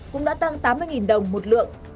cũng đã tăng tám mươi đồng một lượng